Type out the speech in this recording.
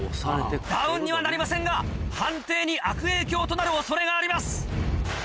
ダウンにはなりませんが判定に悪影響となる恐れがあります。